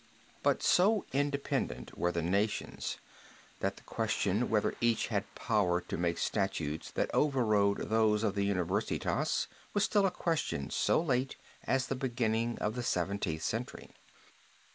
But so independent were the nations that the question whether each had power to make statutes that overrode those of the universitas, was still a question so late as the beginning of the Seventeenth Century."